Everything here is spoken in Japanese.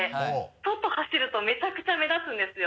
外走るとめちゃくちゃ目立つんですよ。